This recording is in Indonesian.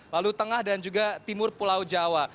lalu tengah dan juga timur pulau jawa